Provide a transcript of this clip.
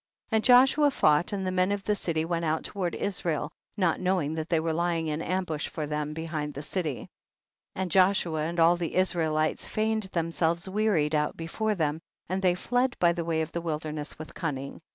41. And Joshua fought, and the men of the city went out toward Is rael, not knowina: that they were ly ing in ambush for them behind the city. 42. And Joshua and all the Israel ites feigned themselves wearied out before them, and they fled by the way of the wilderness with cunning.